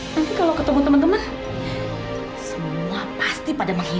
nanti kalau ketemu teman teman semua pasti pada menghibur